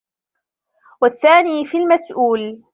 وَالثَّانِي فِي الْمَسْئُولِ